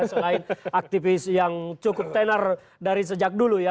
selain aktivis yang cukup tenor dari sejak dulu ya